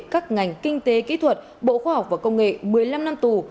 các ngành kinh tế kỹ thuật bộ khoa học và công nghệ một mươi năm năm tù